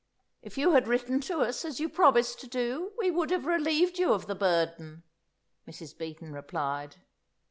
"If you had written to us, as you promised to do, we would have relieved you of the burden," Mrs. Beaton replied.